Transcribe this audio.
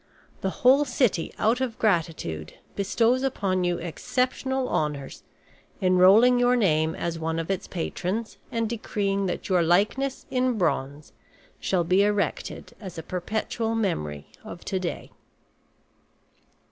The whole city, out of gratitude, bestows upon you exceptional honors, enrolling your name as one of its patrons, and decreeing that your likeness in bronze shall be erected as a perpetual memorial of to day."